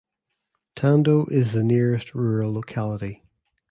Tando is the nearest rural locality.